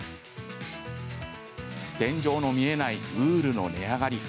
天井の見えないウールの値上がり。